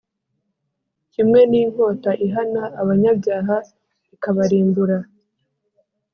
kimwe n’inkota ihana abanyabyaha, ikabarimbura,